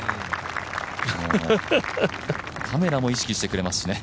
カメラも意識してくれますしね。